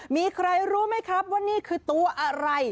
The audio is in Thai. มีใครรู้ไหมครับว่านี่คือตัวอะไร